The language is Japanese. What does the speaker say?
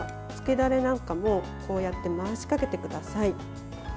だれなんかもこうやって回しかけてください。